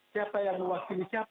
siapa yang mewakili siapa